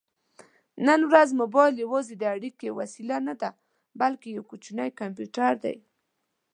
نن ورځ مبایل یوازې د اړیکې وسیله نه ده، بلکې یو کوچنی کمپیوټر دی.